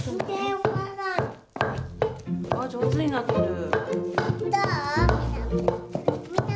うん上手になってる。